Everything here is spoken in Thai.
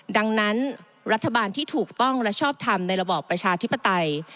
ดังนั้นรัฐบาลที่ถูกต้องและชอบทำในระบอบประชาธิปไตย